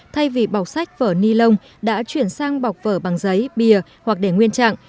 thay vì bọc sách vở ni lông đã chuyển sang bọc vở bằng giấy bìa hoặc để nguyên trạng